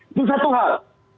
itu satu hal